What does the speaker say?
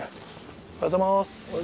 おはようございます。